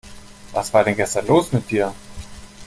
Was war denn gestern los mit dir?